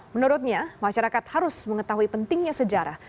menurutnya masyarakat harus mengetahui pentingnya sejarah